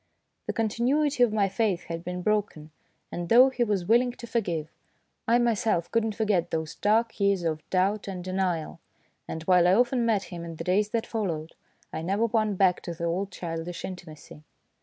The continuity of my faith had been broken, and though he was willing to forgive, I myself could not forget those dark years of doubt and denial ; and while I often met him in the days that followed, I never won back to the old childish intimacy.